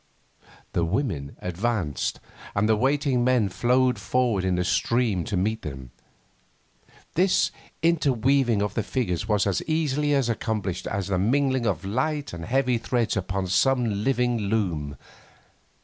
The women advanced, and the waiting men flowed forward in a stream to meet them. This interweaving of the figures was as easily accomplished as the mingling of light and heavy threads upon some living loom.